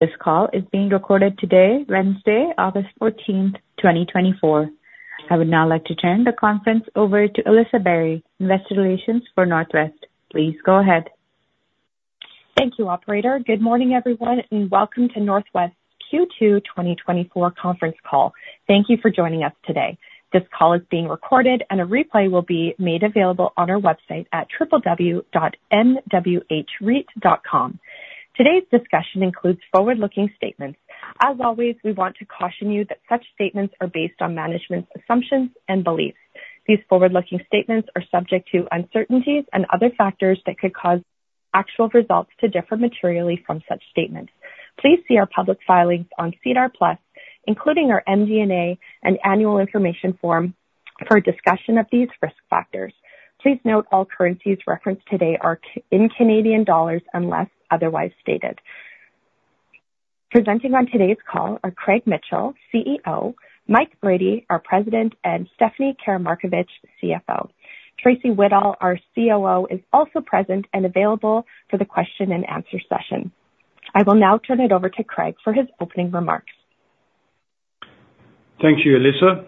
This call is being recorded today, Wednesday, August 14, 2024. I would now like to turn the conference over to Alyssa Berry, Investor Relations for Northwest. Please go ahead. Thank you, operator. Good morning, everyone, and welcome to Northwest's Q2 2024 Conference Call. Thank you for joining us today. This call is being recorded, and a replay will be made available on our website at www.nwhreit.com. Today's discussion includes forward-looking statements. As always, we want to caution you that such statements are based on management's assumptions and beliefs. These forward-looking statements are subject to uncertainties and other factors that could cause actual results to differ materially from such statements. Please see our public filings on SEDAR+, including our MD&A and annual information form, for a discussion of these risk factors. Please note, all currencies referenced today are in Canadian dollars, unless otherwise stated. Presenting on today's call are Craig Mitchell, CEO; Mike Brady, our President; and Stephanie Karamarkovich, CFO. Tracy Whittall, our COO, is also present and available for the question and answer session. I will now turn it over to Craig for his opening remarks. Thank you, Alyssa.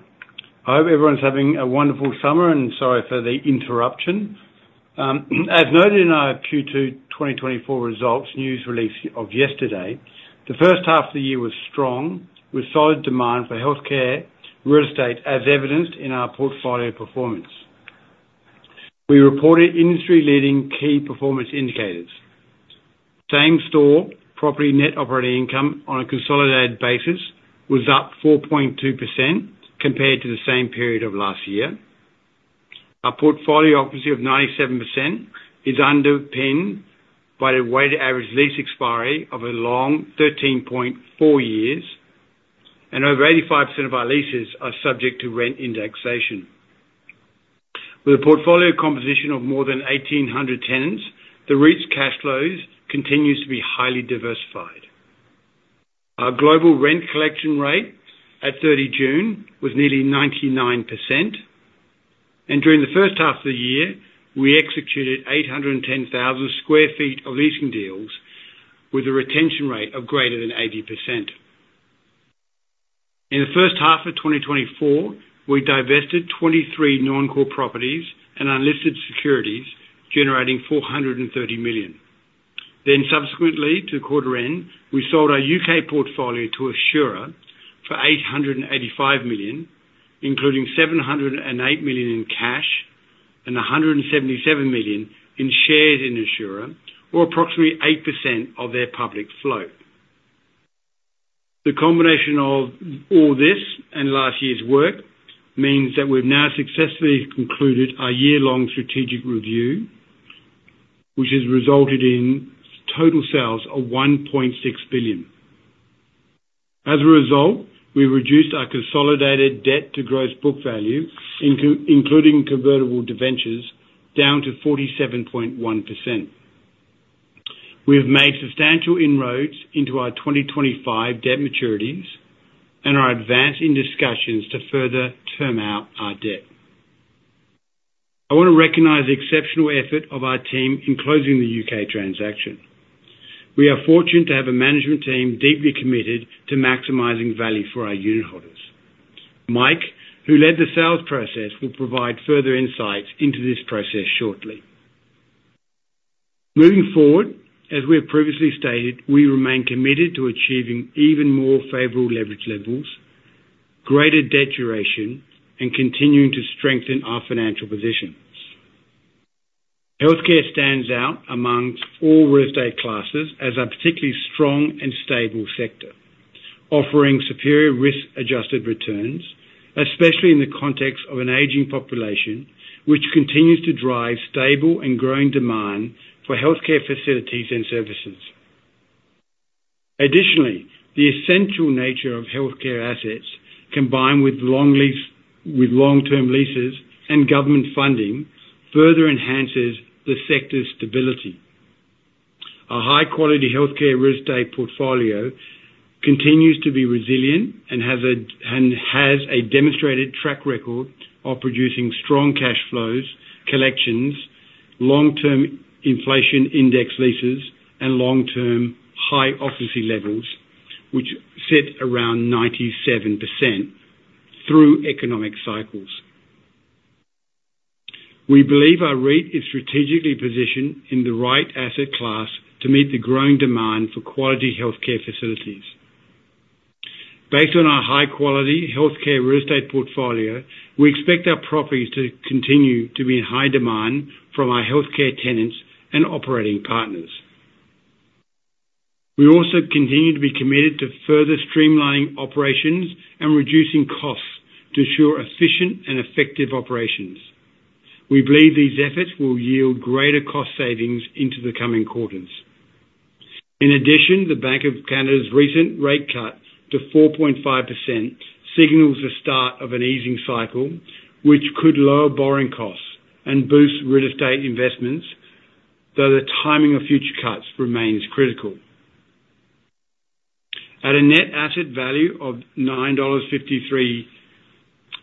I hope everyone's having a wonderful summer, and sorry for the interruption. As noted in our Q2 2024 results news release of yesterday, the first half of the year was strong, with solid demand for healthcare real estate, as evidenced in our portfolio performance. We reported industry-leading key performance indicators. Same store property net operating income on a consolidated basis was up 4.2% compared to the same period of last year. Our portfolio occupancy of 97% is underpinned by the weighted average lease expiry of a long 13.4 years, and over 85% of our leases are subject to rent indexation. With a portfolio composition of more than 1,800 tenants, the REIT's cash flows continues to be highly diversified. Our global rent collection rate at 30 June was nearly 99%, and during the first half of the year, we executed 810,000 sq ft of leasing deals with a retention rate of greater than 80%. In the first half of 2024, we divested 23 non-core properties and unlisted securities, generating 430 million. Then, subsequently to quarter end, we sold our U.K. portfolio to Assura for 885 million, including 708 million in cash and 177 million in shares in Assura, or approximately 8% of their public float. The combination of all this and last year's work means that we've now successfully concluded our year-long strategic review, which has resulted in total sales of 1.6 billion. As a result, we reduced our consolidated debt to gross book value, including convertible debentures, down to 47.1%. We have made substantial inroads into our 2025 debt maturities and are advancing discussions to further term out our debt. I want to recognize the exceptional effort of our team in closing the U.K. transaction. We are fortunate to have a management team deeply committed to maximizing value for our unit holders. Mike, who led the sales process, will provide further insights into this process shortly. Moving forward, as we have previously stated, we remain committed to achieving even more favorable leverage levels, greater debt duration, and continuing to strengthen our financial positions. Healthcare stands out amongst all real estate classes as a particularly strong and stable sector, offering superior risk-adjusted returns, especially in the context of an aging population, which continues to drive stable and growing demand for healthcare facilities and services. Additionally, the essential nature of healthcare assets, combined with long lease, with long-term leases and government funding, further enhances the sector's stability. Our high-quality healthcare real estate portfolio continues to be resilient and has a, and has a demonstrated track record of producing strong cash flows, collections, long-term inflation index leases, and long-term high occupancy levels, which sit around 97% through economic cycles. We believe our REIT is strategically positioned in the right asset class to meet the growing demand for quality healthcare facilities. Based on our high-quality healthcare real estate portfolio, we expect our properties to continue to be in high demand from our healthcare tenants and operating partners. We also continue to be committed to further streamlining operations and reducing costs to ensure efficient and effective operations. We believe these efforts will yield greater cost savings into the coming quarters. In addition, the Bank of Canada's recent rate cut to 4.5% signals the start of an easing cycle, which could lower borrowing costs and boost real estate investments, though the timing of future cuts remains critical. At a net asset value of 9.53 dollars...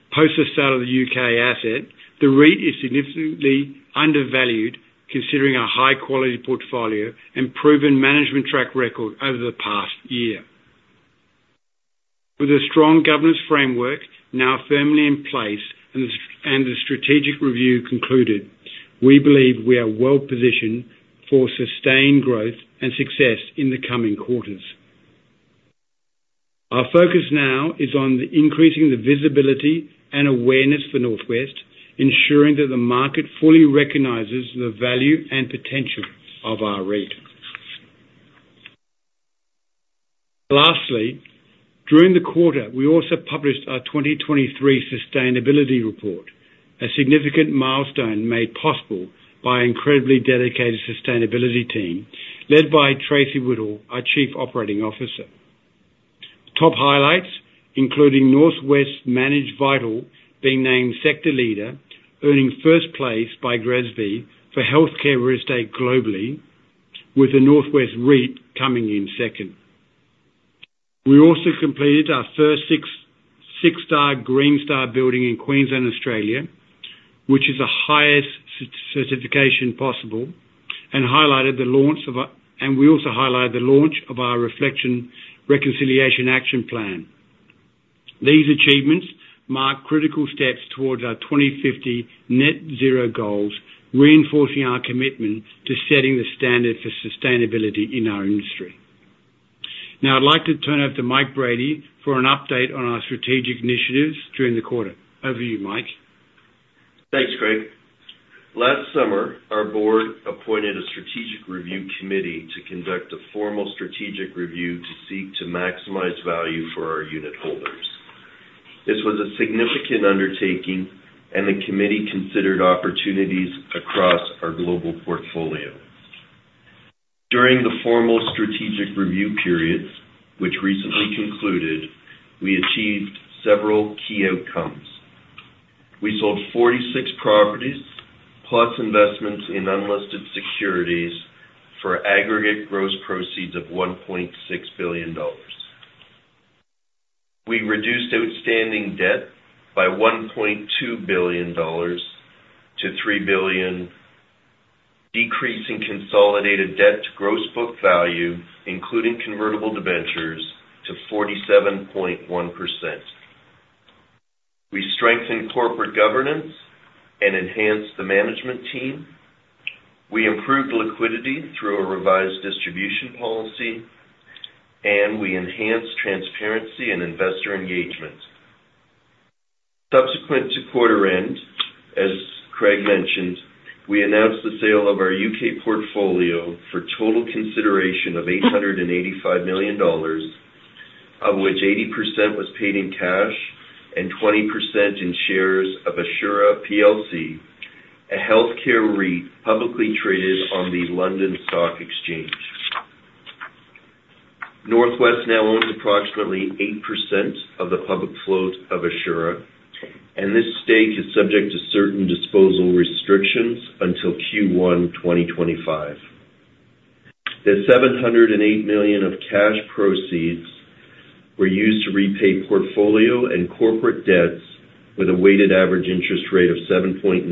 Post the sale of the U.K. asset, the REIT is significantly undervalued, considering our high-quality portfolio and proven management track record over the past year. With a strong governance framework now firmly in place, and the strategic review concluded, we believe we are well positioned for sustained growth and success in the coming quarters. Our focus now is on increasing the visibility and awareness for Northwest, ensuring that the market fully recognizes the value and potential of our REIT. Lastly, during the quarter, we also published our 2023 sustainability report, a significant milestone made possible by incredibly dedicated sustainability team, led by Tracy Whittall, our Chief Operating Officer. Top highlights, including Northwest Managed Vital, being named sector leader, earning first place by GRESB for healthcare real estate globally, with the Northwest REIT coming in second. We also completed our first six-star Green Star building in Queensland, Australia, which is the highest certification possible, and we also highlighted the launch of our Reflect Reconciliation Action Plan. These achievements mark critical steps towards our 2050 Net Zero goals, reinforcing our commitment to setting the standard for sustainability in our industry. Now, I'd like to turn over to Mike Brady for an update on our strategic initiatives during the quarter. Over to you, Mike. Thanks, Craig. Last summer, our board appointed a strategic review committee to conduct a formal strategic review to seek to maximize value for our unit holders. This was a significant undertaking, and the committee considered opportunities across our global portfolio. During the formal strategic review periods, which recently concluded, we achieved several key outcomes. We sold 46 properties, plus investments in unlisted securities for aggregate gross proceeds of 1.6 billion dollars. We reduced outstanding debt by 1.2 billion dollars to 3 billion, decreasing consolidated debt to gross book value, including convertible debentures, to 47.1%. We strengthened corporate governance and enhanced the management team. We improved liquidity through a revised distribution policy, and we enhanced transparency and investor engagement. Subsequent to quarter end, as Craig mentioned, we announced the sale of our U.K. portfolio for total consideration of $885 million, of which 80% was paid in cash and 20% in shares of Assura plc, a healthcare REIT publicly traded on the London Stock Exchange. Northwest now owns approximately 8% of the public float of Assura, and this stake is subject to certain disposal restrictions until Q1 2025. The $708 million of cash proceeds were used to repay portfolio and corporate debts with a weighted average interest rate of 7.9%.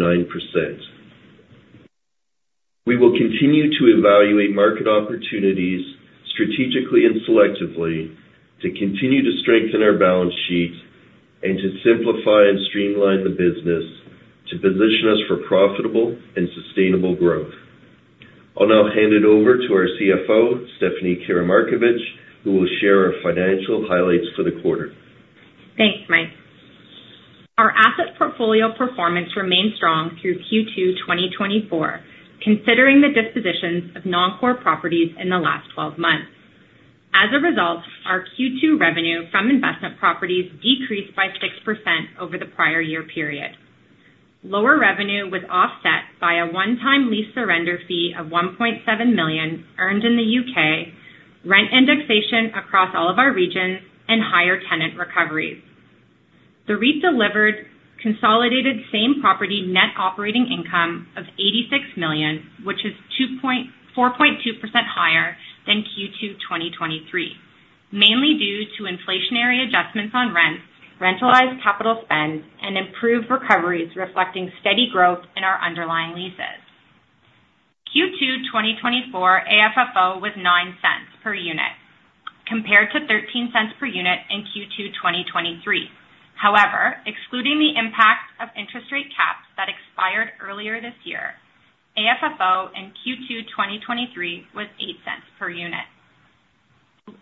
We will continue to evaluate market opportunities strategically and selectively, to continue to strengthen our balance sheet, and to simplify and streamline the business to position us for profitable and sustainable growth. I'll now hand it over to our CFO, Stephanie Karamarkovich, who will share our financial highlights for the quarter. Thanks, Mike. Our asset portfolio performance remained strong through Q2 2024, considering the dispositions of non-core properties in the last 12 months. As a result, our Q2 revenue from investment properties decreased by 6% over the prior year period. Lower revenue was offset by a one-time lease surrender fee of 1.7 million earned in the U.K., rent indexation across all of our regions, and higher tenant recoveries. The REIT delivered consolidated same-property net operating income of 86 million, which is 2.4% higher than Q2 2023, mainly due to inflationary adjustments on rents, rentalized capital spends, and improved recoveries, reflecting steady growth in our underlying leases. Q2 2024 AFFO was 0.09 per unit, compared to 0.13 per unit in Q2 2023. However, excluding the impact of interest rate caps that expired earlier this year, AFFO in Q2 2023 was 0.08 per unit.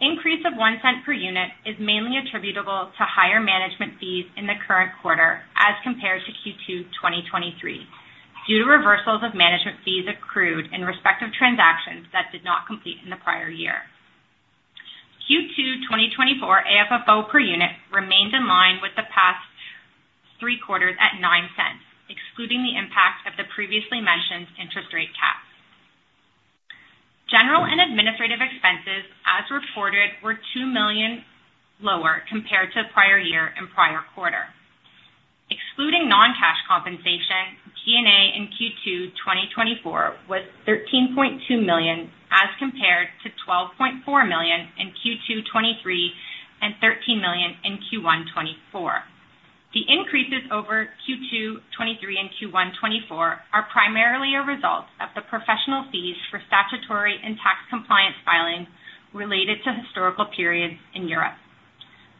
Increase of 0.01 per unit is mainly attributable to higher management fees in the current quarter as compared to Q2 2023, due to reversals of management fees accrued in respective transactions that did not complete in the prior year. Q2 2024 AFFO per unit remained in line with the past three quarters at 0.09, excluding the impact of the previously mentioned interest rate caps. General and administrative expenses, as reported, were 2 million lower compared to the prior year and prior quarter, excluding non-cash compensation, G&A in Q2 2024 was 13.2 million, as compared to 12.4 million in Q2 2023 and 13 million in Q1 2024. The increases over Q2 2023 and Q1 2024 are primarily a result of the professional fees for statutory and tax compliance filings related to historical periods in Europe.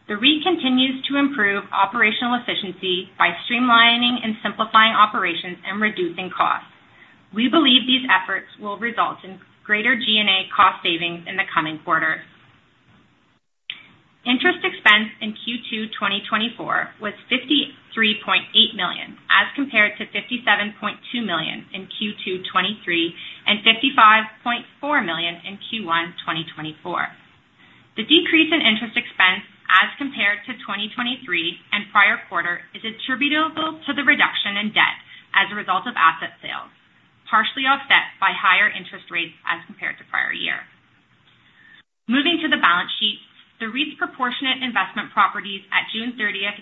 The REIT continues to improve operational efficiency by streamlining and simplifying operations and reducing costs. We believe these efforts will result in greater G&A cost savings in the coming quarters. Interest expense in Q2 2024 was 53.8 million, as compared to 57.2 million in Q2 2023 and 55.4 million in Q1 2024. The decrease in interest expense as compared to 2023 and prior quarter is attributable to the reduction in debt as a result of asset sales, partially offset by higher interest rates as compared to prior year. Moving to the balance sheet, the REIT's proportionate investment properties at June 30th,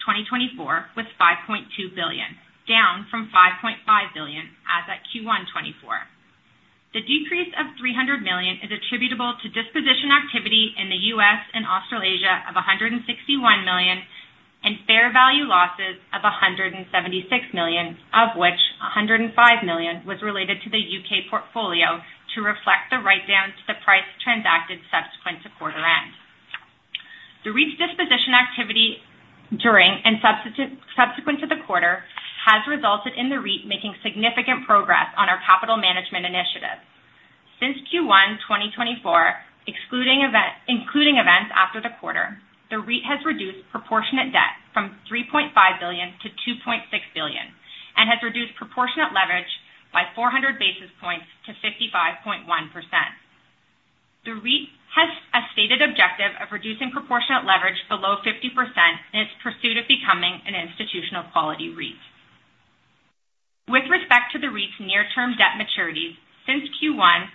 2024, was 5.2 billion, down from 5.5 billion as at Q1 2024. The decrease of 300 million is attributable to disposition activity in the U.S. and Australasia of 161 million, and fair value losses of 176 million, of which 105 million was related to the U.K. portfolio to reflect the write-down to the price transacted subsequent to quarter end. The REIT's disposition activity during and subsequent to the quarter, has resulted in the REIT making significant progress on our capital management initiative. Since Q1 2024, including events after the quarter, the REIT has reduced proportionate debt from 3.5 billion to 2.6 billion, and has reduced proportionate leverage by 400 basis points to 55.1%. The REIT has a stated objective of reducing proportionate leverage below 50% in its pursuit of becoming an institutional quality REIT. With respect to the REIT's near-term debt maturities, since Q1,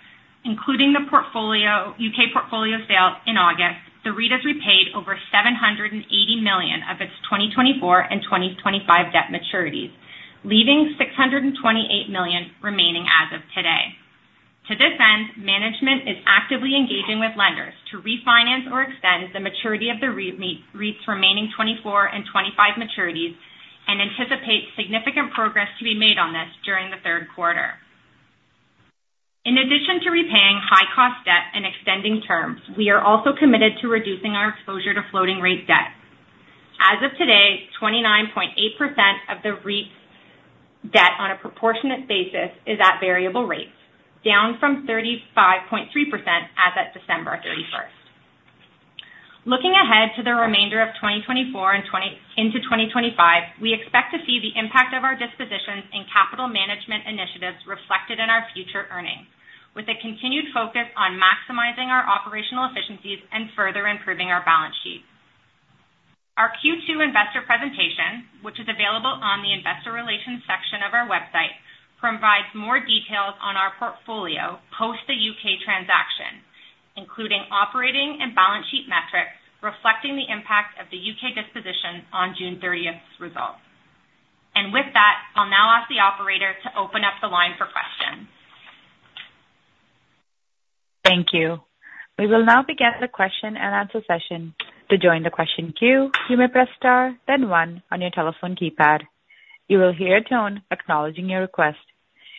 including the U.K. portfolio sale in August, the REIT has repaid over 780 million of its 2024 and 2025 debt maturities, leaving 628 million remaining as of today. To this end, management is actively engaging with lenders to refinance or extend the maturity of the REIT's remaining 2024 and 2025 maturities, and anticipates significant progress to be made on this during the third quarter. In addition to repaying high cost debt and extending terms, we are also committed to reducing our exposure to floating rate debt. As of today, 29.8% of the REIT's debt on a proportionate basis is at variable rates, down from 35.3% as at December 31st. Looking ahead to the remainder of 2024 and into 2025, we expect to see the impact of our dispositions and capital management initiatives reflected in our future earnings, with a continued focus on maximizing our operational efficiencies and further improving our balance sheet. Our Q2 investor presentation, which is available on the investor relations section of our website, provides more details on our portfolio post the U.K. transaction, including operating and balance sheet metrics, reflecting the impact of the U.K. disposition on June 30th's results. With that, I'll now ask the operator to open up the line for questions. Thank you. We will now begin the question and answer session. To join the question queue, you may press star, then one on your telephone keypad. You will hear a tone acknowledging your request.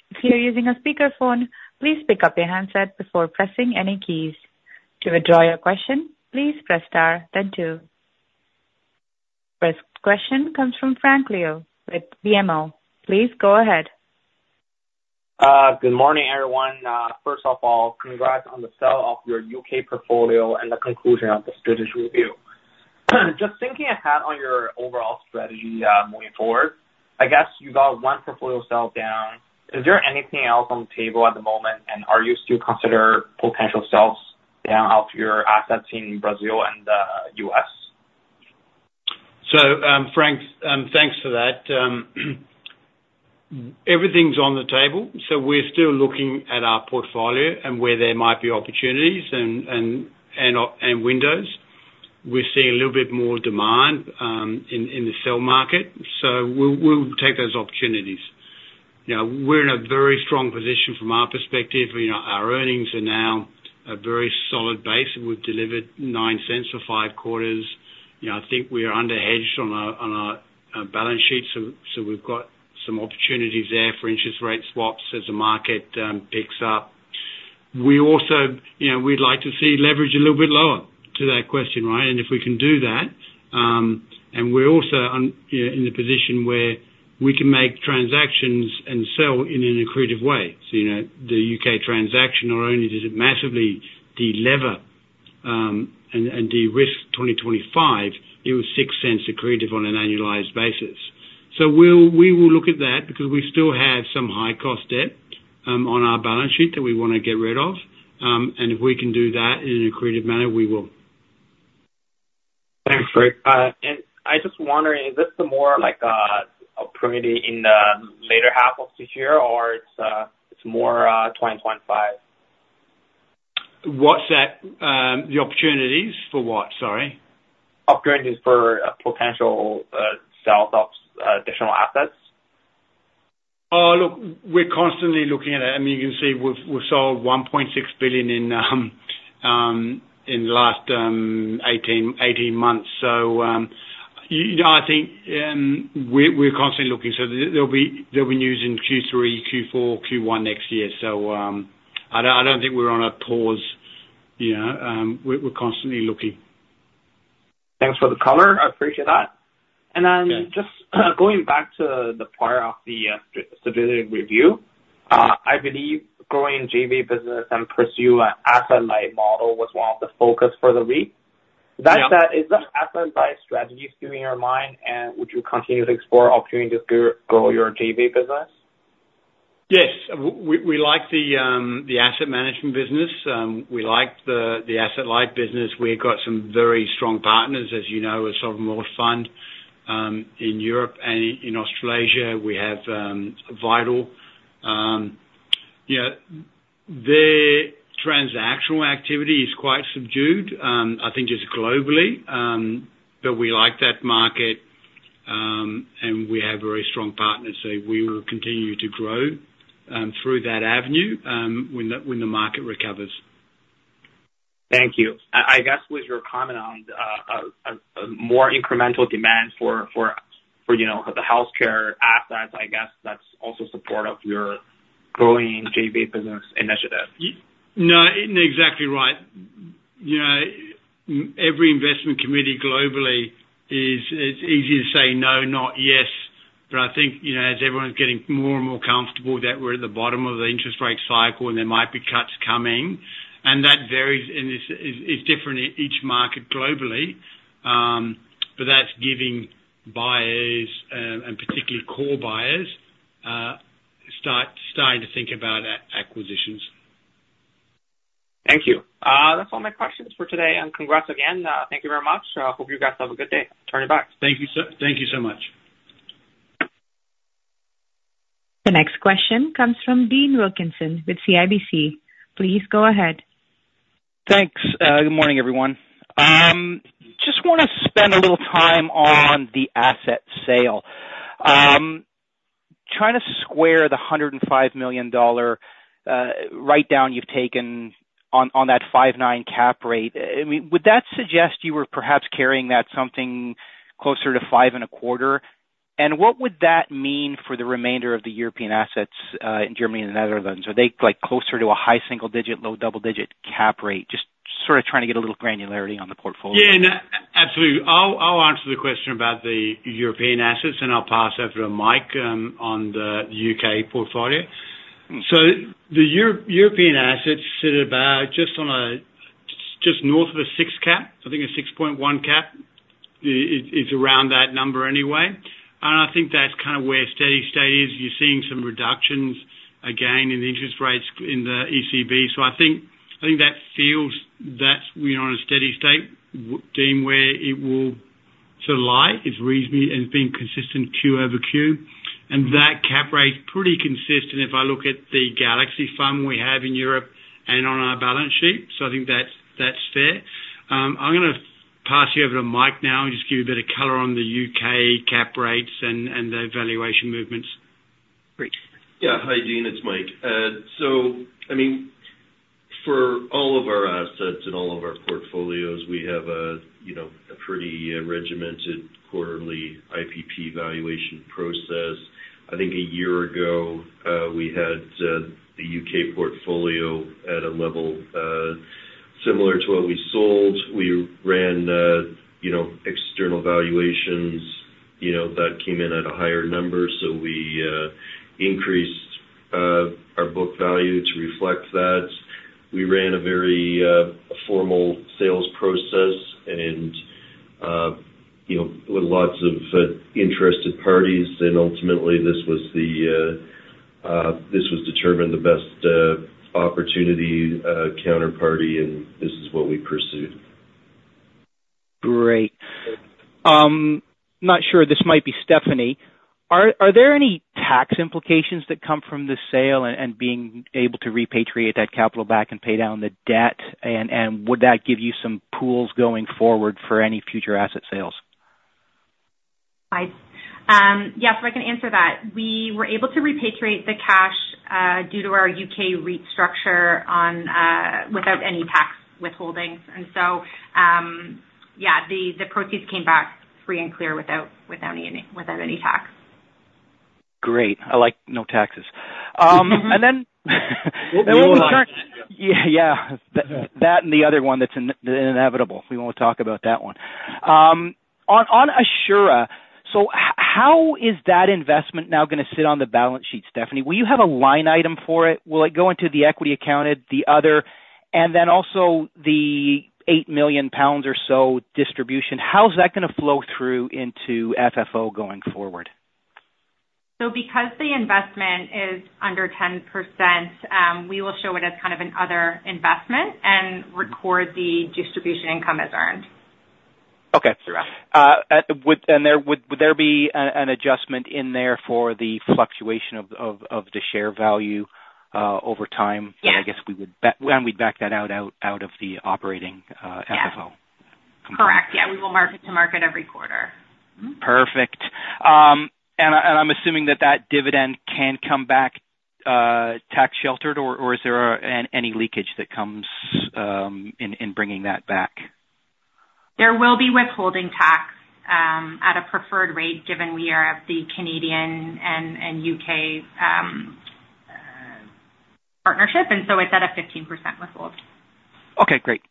If you are using a speakerphone, please pick up your handset before pressing any keys. To withdraw your question, please press star, then two. First question comes from Frank Leo with BMO. Please go ahead. Good morning, everyone. First of all, congrats on the sale of your U.K. portfolio and the conclusion of the strategic review. Just thinking ahead on your overall strategy, moving forward, I guess you got one portfolio sale down. Is there anything else on the table at the moment? Are you still consider potential sales down of your assets in Brazil and, U.S.? So, Frank, thanks for that. Everything's on the table, so we're still looking at our portfolio and where there might be opportunities and windows. We're seeing a little bit more demand in the sell market, so we'll take those opportunities. You know, we're in a very strong position from our perspective. You know, our earnings are now a very solid base, and we've delivered 0.09 for 5 quarters. You know, I think we are under-hedged on our balance sheet, so we've got some opportunities there for interest rate swaps as the market picks up. We also, you know, we'd like to see leverage a little bit lower to that question, right? And if we can do that, and we're also you know, in the position where we can make transactions and sell in an accretive way. So, you know, the U.K. transaction, not only does it massively de-lever, and, and de-risk 2025, it was 0.06 accretive on an annualized basis. So we will look at that because we still have some high cost debt, on our balance sheet that we want to get rid of. And if we can do that in an accretive manner, we will. Thanks, Craig. And I just wondering, is this the more like a, a priority in the later half of this year, or it's, it's more, 2025? What's that? The opportunities for what? Sorry. Upgrading for a potential sell-off of additional assets. Oh, look, we're constantly looking at it. I mean, you can see we've sold 1.6 billion in the last 18 months. So, you know, I think, we're constantly looking. So there'll be, there'll be news in Q3, Q4, Q1 next year. So, I don't think we're on a pause, you know, we're constantly looking. Thanks for the color. I appreciate that. Just going back to the part of the strategic review. I believe growing JV business and pursue an asset light model was one of the focus for the week. That said, is the asset light strategy still in your mind, and would you continue to explore opportunities to grow, grow your JV business? Yes. We, we like the, the asset management business. We like the, the asset light business. We've got some very strong partners, as you know, Sovereign Wealth Fund in Europe and in Australasia, we have Vital. Yeah, the transactional activity is quite subdued, I think just globally. But we like that market, and we have very strong partners, so we will continue to grow through that avenue when the, when the market recovers. Thank you. I guess with your comment on more incremental demand for, you know, the healthcare assets, I guess that's also support of your growing JV business initiative. No, exactly right. You know, every investment committee globally, is it's easier to say no, not yes. But I think, you know, as everyone's getting more and more comfortable that we're at the bottom of the interest rate cycle, and there might be cuts coming, and that varies and is different in each market globally, but that's giving buyers, and particularly core buyers, starting to think about acquisitions. Thank you. That's all my questions for today, and congrats again. Thank you very much. Hope you guys have a good day. Turn it back. Thank you so, thank you so much. The next question comes from Dean Wilkinson with CIBC. Please go ahead. Thanks. Good morning, everyone. Just wanna spend a little time on the asset sale. Trying to square the 105 million dollar write down you've taken on, on that 5.9 cap rate. I mean, would that suggest you were perhaps carrying that something closer to 5.25? And what would that mean for the remainder of the European assets, in Germany and the Netherlands? Are they, like, closer to a high single digit, low double digit cap rate? Just sort of trying to get a little granularity on the portfolio. Yeah, no, absolutely. I'll answer the question about the European assets, and I'll pass over to Mike on the U.K. portfolio. So the European assets sit about just north of a 6 cap, I think a 6.1 cap. It's around that number anyway, and I think that's kind of where steady state is. You're seeing some reductions, again, in the interest rates in the ECB. So I think that feels that we are on a steady state with Dean, where it will sort of lie, is reasonably and has been consistent Q over Q. And that cap rate is pretty consistent if I look at the Galaxy fund we have in Europe and on our balance sheet. So I think that's fair. I'm gonna pass you over to Mike now, and just give you a bit of color on the U.K. cap rates and the valuation movements. Yeah. Hi, Dean, it's Mike. So, I mean, for all of our assets and all of our portfolios, we have a, you know, a pretty regimented quarterly IPP valuation process. I think a year ago, we had the U.K. portfolio at a level similar to what we sold. We ran, you know, external valuations, you know, that came in at a higher number. So we increased our book value to reflect that. We ran a very formal sales process and, you know, with lots of interested parties, and ultimately, this was determined the best opportunity counterparty, and this is what we pursued. Great. Not sure, this might be Stephanie. Are there any tax implications that come from the sale and being able to repatriate that capital back and pay down the debt? And would that give you some pools going forward for any future asset sales? Hi. Yes, I can answer that. We were able to repatriate the cash due to our U.K. REIT structure without any tax withholding. And so, yeah, the proceeds came back free and clear, without any tax. Great. I like no taxes. And then—yeah, yeah. That and the other one, that's inevitable. We won't talk about that one. On Assura, so how is that investment now gonna sit on the balance sheet, Stephanie? Will you have a line item for it? Will it go into the equity accounted, the other? And then also the 8 million pounds or so distribution, how's that gonna flow through into FFO going forward? So because the investment is under 10%, we will show it as kind of an other investment and record the distribution income as earned. Would there be an adjustment in there for the fluctuation of the share value over time? But I guess we would back that out of the operating FFO? Yeah. Correct. Yeah, we will mark it to market every quarter. Perfect. And I, and I'm assuming that that dividend can come back, tax sheltered, or is there any leakage that comes in bringing that back? There will be withholding tax at a preferred rate, given we are of the Canadian and U.K. partnership, and so it's at a 15% withhold. Okay, great.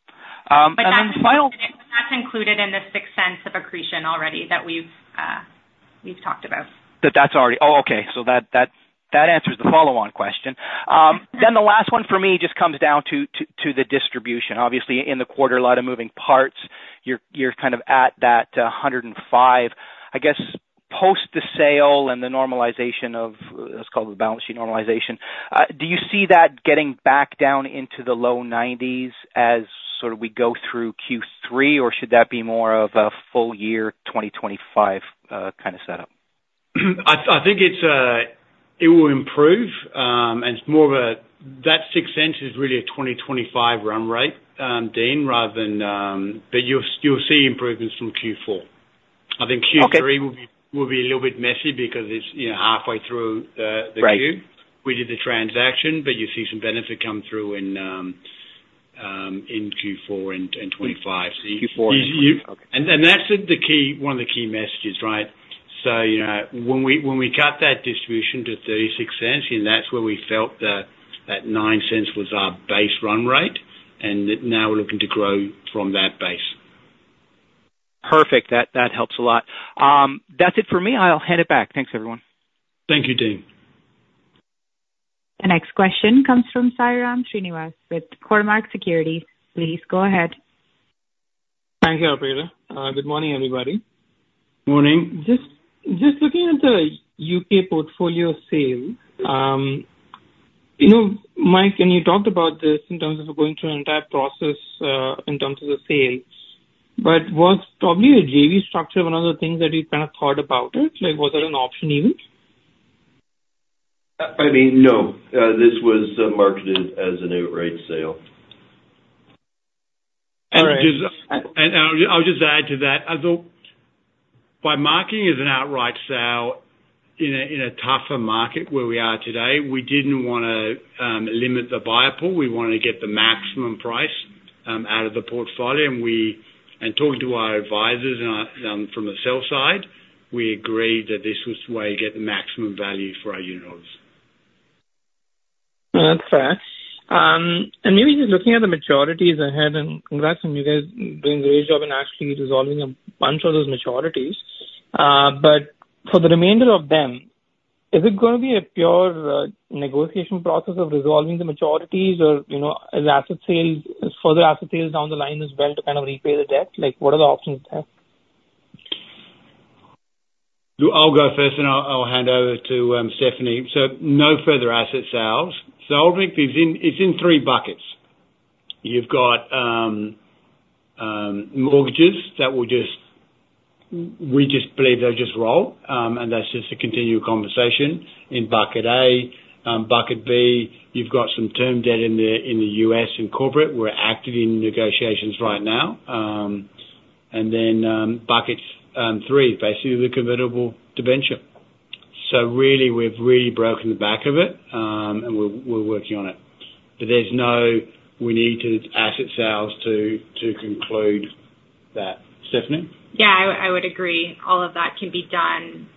And then final- That's included in the CAD 0.06 of accretion already that we've talked about. That that's already... Oh, okay. So that answers the follow-on question. Then the last one for me just comes down to the distribution. Obviously, in the quarter, a lot of moving parts. You're kind of at that 105. I guess, post the sale and the normalization of, let's call it the balance sheet normalization, do you see that getting back down into the low 90s as sort of we go through Q3, or should that be more of a full year, 2025, kind of setup? I think it will improve, and it's more of a, that 0.06 is really a 2025 run rate, Dean, rather than. But you'll see improvements from Q4. I think Q3 will be a little bit messy because it's, you know, halfway through the queue. We did the transaction, but you see some benefit come through in Q4 and 2025. And that's the key, one of the key messages, right? So, you know, when we cut that distribution to 0.36, and that's where we felt that 0.09 was our base run rate, and that now we're looking to grow from that base. Perfect. That helps a lot. That's it for me. I'll hand it back. Thanks, everyone. Thank you, Dean. The next question comes from Sairam Srinivas with Cormark Securities. Please go ahead. Thank you, operator. Good morning, everybody. Morning. Just, just looking at the U.K. portfolio sale, you know, Mike, and you talked about this in terms of going through an entire process, in terms of the sales, but was probably a JV structure, one of the things that you kind of thought about it, like was that an option even? I mean, no, this was marketed as an outright sale. All right. I'll just add to that. I thought by marking it as an outright sale in a tougher market where we are today, we didn't wanna limit the buyer pool. We wanted to get the maximum price out of the portfolio, and talking to our advisors and from the sell side, we agreed that this was the way to get the maximum value for our units. That's fair. And maybe just looking at the maturities ahead, and congrats on you guys doing a great job in actually resolving a bunch of those maturities. But for the remainder of them, is it gonna be a pure negotiation process of resolving the maturities? Or, you know, is asset sales, is further asset sales down the line as well to kind of repay the debt? Like, what are the options there? I'll go first, and I'll hand over to Stephanie. So no further asset sales. So Ulrich, it's in three buckets. You've got mortgages that will just... We just believe they'll just roll, and that's just to continue conversation in bucket A. Bucket B, you've got some term debt in the U.S. and corporate. We're actively in negotiations right now. And then bucket three, basically the convertible debenture. So really, we've really broken the back of it, and we're working on it. But there's no, we need to asset sales to conclude that. Stephanie? Yeah, I would agree. All of that can be done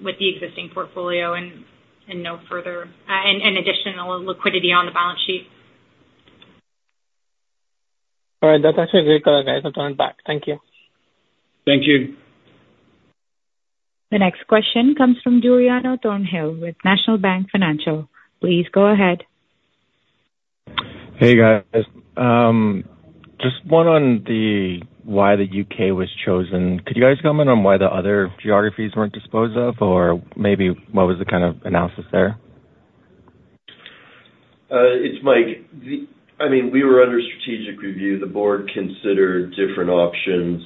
with the existing portfolio and no further additional liquidity on the balance sheet. All right. That's actually a great color, guys. I'll turn it back. Thank you. Thank you. The next question comes from Giuliano Thornhill with National Bank Financial. Please go ahead. Hey, guys. Just one on why the U.K. was chosen. Could you guys comment on why the other geographies weren't disposed of, or maybe what was the kind of analysis there? It's Mike. I mean, we were under strategic review. The board considered different options.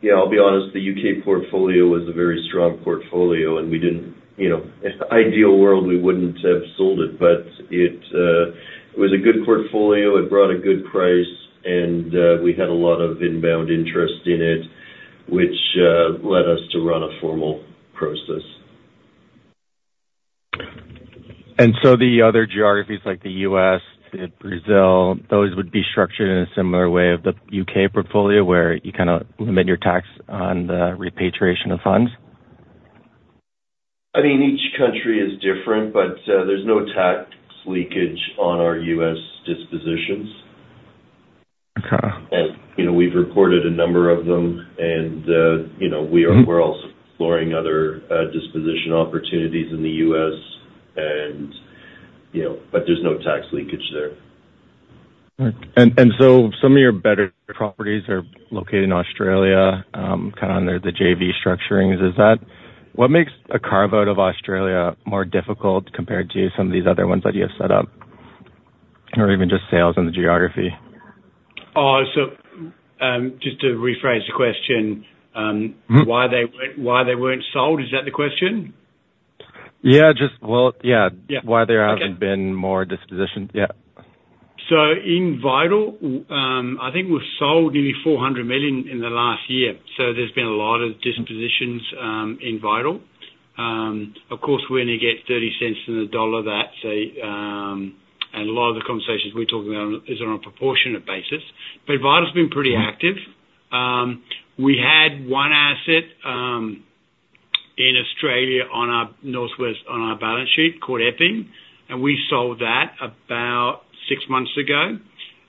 You know, I'll be honest, the U.K. portfolio was a very strong portfolio, and we didn't, you know, in the ideal world, we wouldn't have sold it, but it, it was a good portfolio. It brought a good price, and we had a lot of inbound interest in it, which led us to run a formal process. And so the other geographies, like the U.S., the Brazil, those would be structured in a similar way of the U.K. portfolio, where you kind of limit your tax on the repatriation of funds? I mean, each country is different, but there's no tax leakage on our U.S. dispositions. Okay. And, you know, we've reported a number of them, and, you know, we are also exploring other disposition opportunities in the U.S. and, you know, but there's no tax leakage there. Right. And so some of your better properties are located in Australia, kind of under the JV structurings. Is that what makes a carve out of Australia more difficult compared to some of these other ones that you have set up?... or even just sales in the geography? Oh, so, just to rephrase the question. Why they weren't, why they weren't sold, is that the question? Yeah, just well, yeah. Why there hasn't been more dispositions? Yeah. So in Vital, I think we've sold nearly 400 million in the last year, so there's been a lot of dispositions in Vital. Of course, we only get thirty cents on the dollar that, so, and a lot of the conversations we're talking about is on a proportionate basis, but Vital's been pretty active. We had one asset in Australia on our Northwest, on our balance sheet called Epping, and we sold that about six months ago.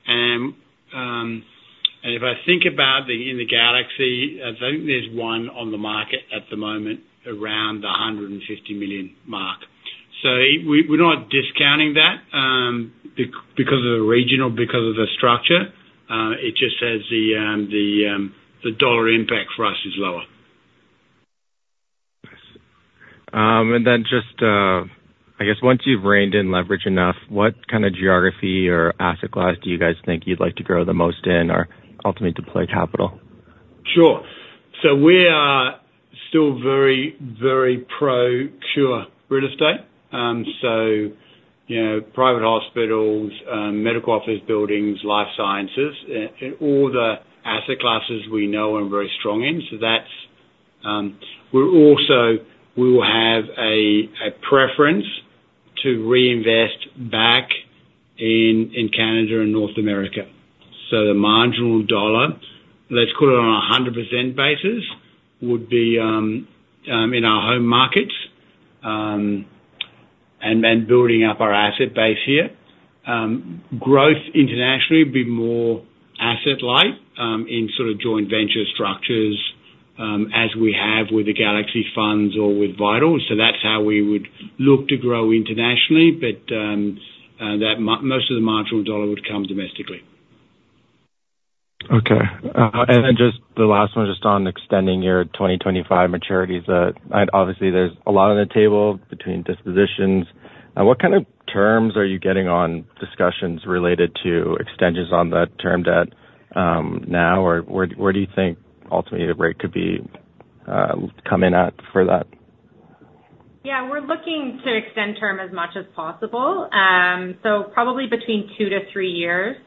And, and if I think about the, in the Galaxy, I think there's one on the market at the moment around the 150 million mark. So we, we're not discounting that, because of the regional, because of the structure, it just has the, the, the dollar impact for us is lower. I see. And then just, I guess once you've reined in leverage enough, what kind of geography or asset class do you guys think you'd like to grow the most in or ultimately deploy capital? Sure. So we are still very, very pro pure real estate. So, you know, private hospitals, medical office buildings, life sciences, and all the asset classes we know I'm very strong in. So that's, we're also-- we will have a, a preference to reinvest back in, in Canada and North America. So the marginal dollar, let's call it on a 100% basis, would be, in our home markets, and then building up our asset base here. Growth internationally would be more asset light, in sort of joint venture structures, as we have with the Galaxy funds or with Vital. So that's how we would look to grow internationally, but, that most of the marginal dollar would come domestically. Okay. And then just the last one, just on extending your 2025 maturities, and obviously there's a lot on the table between dispositions. What kind of terms are you getting on discussions related to extensions on that term debt, now, or where, where do you think ultimately the rate could be coming at for that? Yeah, we're looking to extend term as much as possible. So probably between 2-3 years,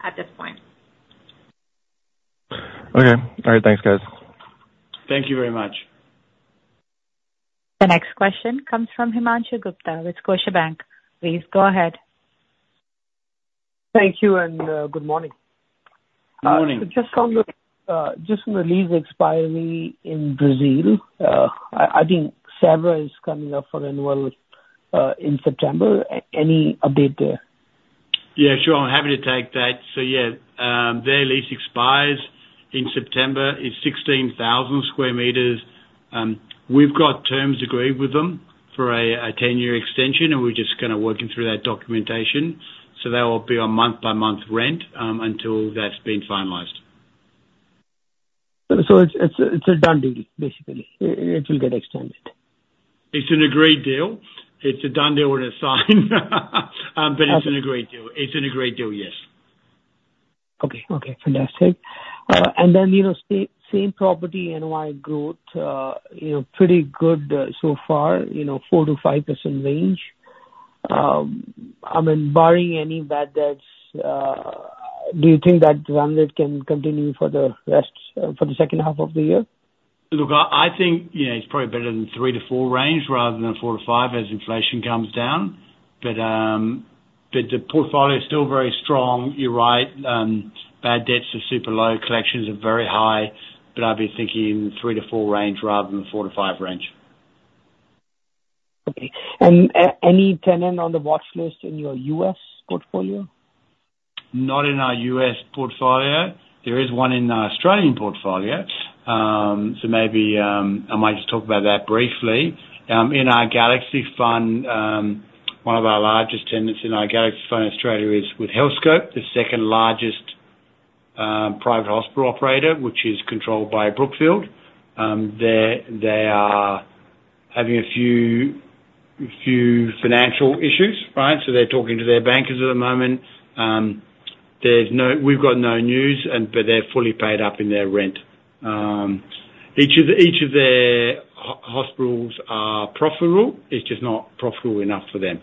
at this point. Okay. All right. Thanks, guys. Thank you very much. The next question comes from Himanshu Gupta with Scotiabank. Please go ahead. Thank you, and good morning. Good morning. Just on the lease expiry in Brazil, I think Sabará is coming up for renewal in September. Any update there? Yeah, sure. I'm happy to take that. So yeah, their lease expires in September. It's 16,000 sq m. We've got terms agreed with them for a 10-year extension, and we're just kind of working through that documentation. So that will be on month-by-month rent until that's been finalized. So it's a done deal, basically? It will get extended. It's an agreed deal. It's a done deal when it's signed. But it's an agreed deal. It's an agreed deal, yes. Okay, fantastic. And then, you know, same property, NOI growth, you know, pretty good, so far, you know, 4%-5% range. I mean, barring any bad debts, do you think that run rate can continue for the rest, for the second half of the year? Look, I think, you know, it's probably better than 3-4 range rather than 4-5 as inflation comes down. But, but the portfolio is still very strong. You're right, bad debts are super low, collections are very high, but I'd be thinking in the 3-4 range rather than 4-5 range. Okay. And any tenant on the watchlist in your U.S. portfolio? Not in our U.S. portfolio. There is one in our Australian portfolio. So maybe, I might just talk about that briefly. In our Galaxy fund, one of our largest tenants in our Galaxy fund in Australia is with Healthscope, the second largest, private hospital operator, which is controlled by Brookfield. They're having a few financial issues, right? So they're talking to their bankers at the moment. There's no news but they're fully paid up in their rent. Each of their hospitals are profitable, it's just not profitable enough for them.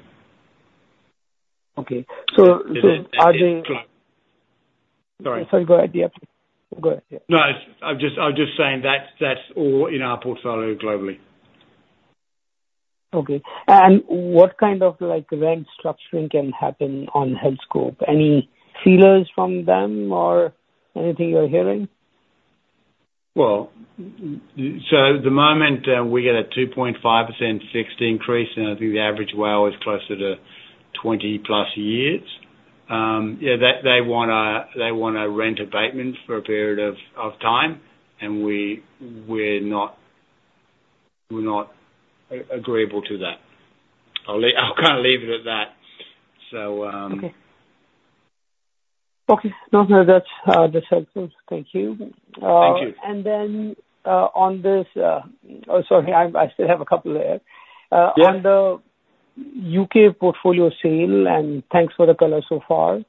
Okay. So, are they- Sorry. Sorry, go ahead. Yeah. Go ahead. Yeah. No, I'm just saying that's all in our portfolio globally. Okay. What kind of, like, rent structuring can happen on Healthscope? Any feelers from them or anything you're hearing? Well, so at the moment, we get a 2.5% fixed increase, and I think the average WALE is closer to 20+ years. Yeah, that they want a rent abatement for a period of time, and we're not agreeable to that. I'll kind of leave it at that. So, Okay.... Okay. No that's helpful. Thank you. Thank you. Oh, sorry, I still have a couple there. On the U.K. portfolio sale, and thanks for the color so far,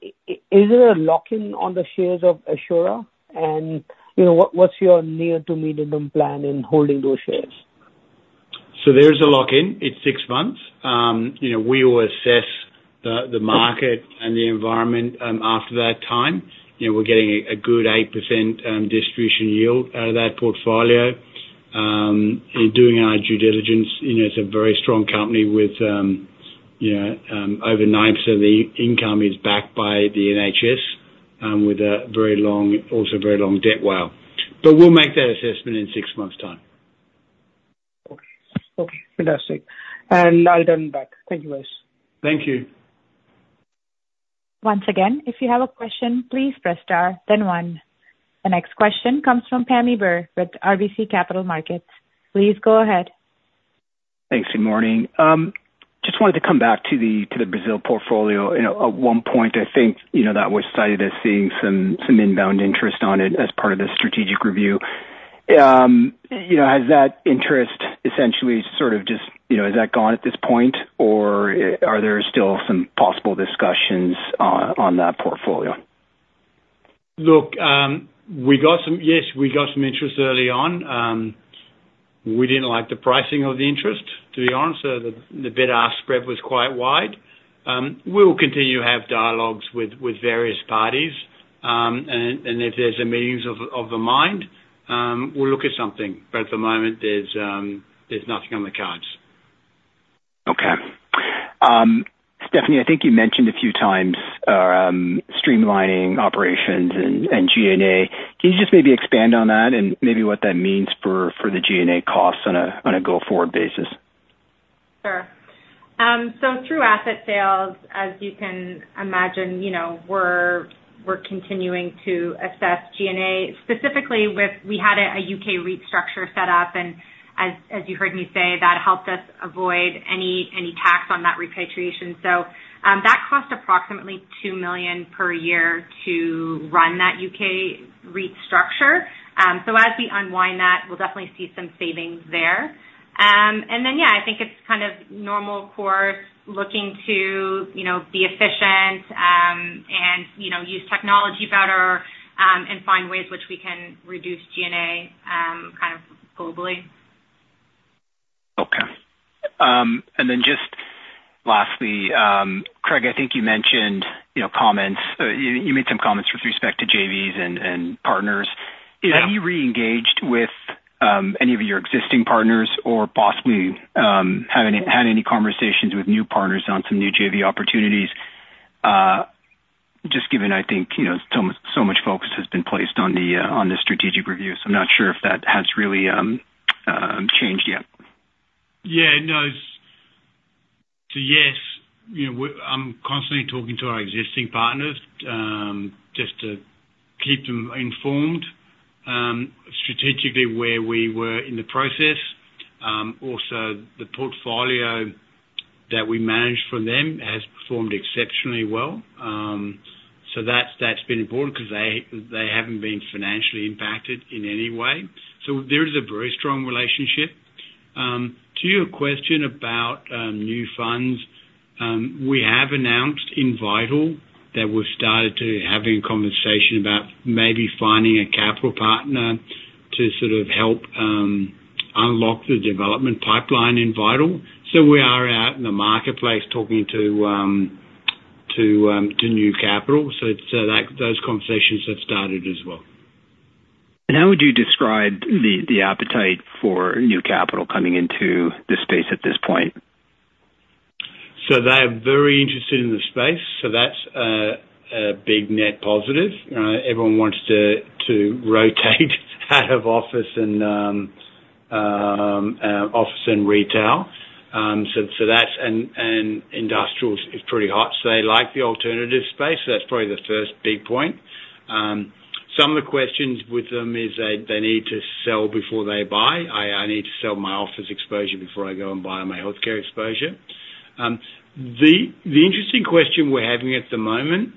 is there a lock-in on the shares of Assura? And, you know, what, what's your near to medium-term plan in holding those shares? So there is a lock-in. It's 6 months. You know, we will assess the market and the environment after that time. You know, we're getting a good 8% distribution yield out of that portfolio. In doing our due diligence, you know, it's a very strong company with, you know, over 9% of the income is backed by the NHS, with a very long, also very long WALE. But we'll make that assessment in 6 months' time. Okay, fantastic. I'll turn back. Thank you, guys. Thank you. Once again, if you have a question, please press star, then one. The next question comes from Pammi Bir with RBC Capital Markets. Please go ahead. Thanks. Good morning. Just wanted to come back to the, to the Brazil portfolio. You know, at one point, I think, you know, that was cited as seeing some, some inbound interest on it as part of the strategic review. You know, has that interest essentially sort of just, you know, is that gone at this point, or are there still some possible discussions on that portfolio? Look, we got some. Yes, we got some interest early on. We didn't like the pricing of the interest, to be honest. So the bid-ask spread was quite wide. We'll continue to have dialogues with various parties, and if there's a meeting of the minds, we'll look at something. But at the moment, there's nothing on the cards. Okay. Stephanie, I think you mentioned a few times streamlining operations and G&A. Can you just maybe expand on that and maybe what that means for the G&A costs on a go-forward basis? Sure. So through asset sales, as you can imagine, you know, we're continuing to assess G&A, specifically, we had a U.K. REIT structure set up, and as you heard me say, that helped us avoid any tax on that repatriation. So, that cost approximately 2 million per year to run that U.K. REIT structure. So as we unwind that, we'll definitely see some savings there. And then, yeah, I think it's kind of normal course, looking to, you know, be efficient, and, you know, use technology better, and find ways which we can reduce G&A, kind of globally. Okay. And then just lastly, Craig, I think you mentioned, you know, comments, you made some comments with respect to JVs and partners. Have you re-engaged with any of your existing partners or possibly had any conversations with new partners on some new JV opportunities? Just given, I think, you know, so much focus has been placed on the strategic review, so I'm not sure if that has really changed yet. Yeah, no, it's. So yes, you know, we're, I'm constantly talking to our existing partners, just to keep them informed, strategically where we were in the process. Also, the portfolio that we manage for them has performed exceptionally well. So that's, that's been important because they, they haven't been financially impacted in any way. So there is a very strong relationship. To your question about, new funds, we have announced in Vital that we've started to having a conversation about maybe finding a capital partner to sort of help, unlock the development pipeline in Vital. So we are out in the marketplace talking to, to, to new capital. So it's, that, those conversations have started as well. How would you describe the appetite for new capital coming into the space at this point? So they're very interested in the space, so that's a big net positive. Everyone wants to rotate out of office and retail. So that's, and industrials is pretty hot, so they like the alternative space. So that's probably the first big point. Some of the questions with them is they need to sell before they buy. I need to sell my office exposure before I go and buy my healthcare exposure. The interesting question we're having at the moment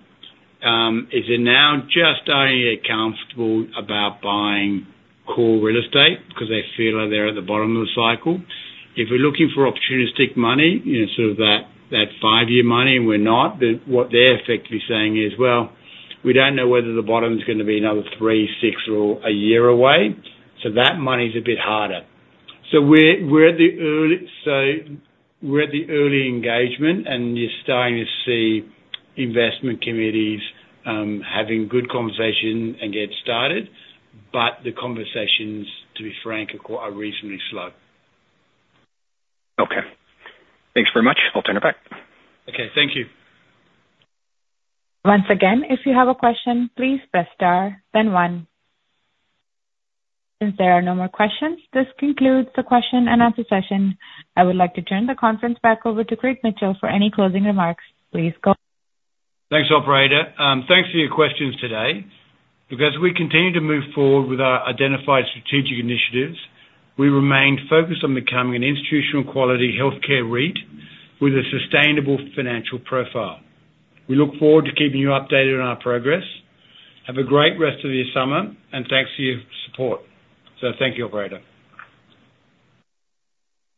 is they're now just only comfortable about buying core real estate because they feel like they're at the bottom of the cycle. If we're looking for opportunistic money, you know, sort of that, that five-year money, and we're not, then what they're effectively saying is, "Well, we don't know whether the bottom is gonna be another three, six, or a year away," so that money's a bit harder. So we're at the early engagement, and you're starting to see investment committees having good conversation and get started, but the conversations, to be frank, are reasonably slow. Okay. Thanks very much. I'll turn it back. Okay, thank you. Once again, if you have a question, please press star, then one. Since there are no more questions, this concludes the question and answer session. I would like to turn the conference back over to Craig Mitchell for any closing remarks. Please go- Thanks, operator. Thanks for your questions today. Because we continue to move forward with our identified strategic initiatives, we remain focused on becoming an institutional-quality healthcare REIT with a sustainable financial profile. We look forward to keeping you updated on our progress. Have a great rest of your summer, and thanks for your support. Thank you, operator.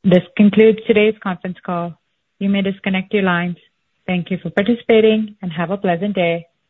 This concludes today's conference call. You may disconnect your lines. Thank you for participating, and have a pleasant day.